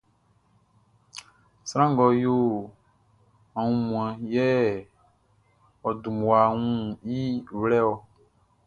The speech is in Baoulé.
Sran ngʼɔ yo aunmuanʼn, yɛ ɔ dun mmua wun i wlɛ-ɔ.